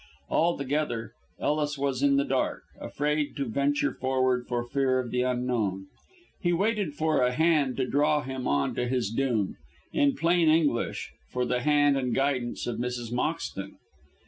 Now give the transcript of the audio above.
Altogether Ellis was in the dark, afraid to venture forward for fear of the unknown. He waited for a hand to draw him on to his doom in plain English, for the hand and guidance of Mrs. Moxton.